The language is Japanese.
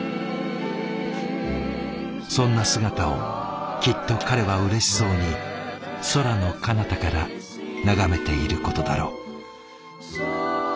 そんな姿をきっと彼はうれしそうに空のかなたから眺めていることだろう。